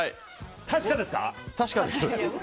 確かですか？